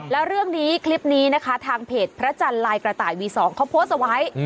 แล้วเรื่องนี้คลิปนี้นะคะทางเพจพระจันทร์ลายกระต่ายวี๒เขาโพสต์เอาไว้